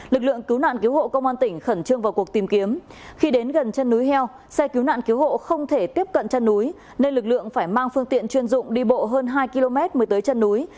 lực lượng cứu nạn cứu hộ công an tỉnh khẩn trương vào cuộc tìm kiếm khi đến gần chân núi heo xe cứu nạn cứu hộ không thể tiếp cận chân núi nên lực lượng phải mang phương tiện chuyên dụng đi bộ hơn hai km mới tới chân núi